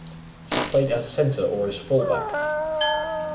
He played as centre or as fullback.